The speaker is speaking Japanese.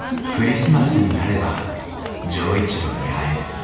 クリスマスになれば錠一郎に会える。